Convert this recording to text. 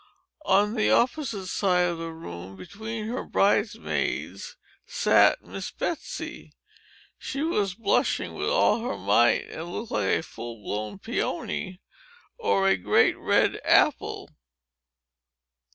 On the opposite side of the room, between her bride maids, sat Miss Betsey. She was blushing with all her might, and looked like a full blown pæony, or a great red apple.